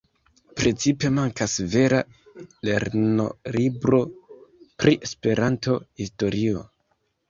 Precipe mankas vera lernolibro pri Esperanto-historio.